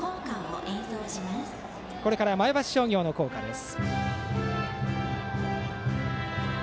これから前橋商業の校歌です。